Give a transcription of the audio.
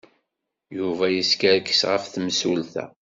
Yuba yeskerkes ɣef temsulta.